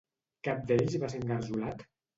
Cap d'ells va ser engarjolat?